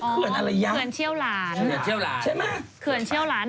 เขื่อนเชี่ยวหลาน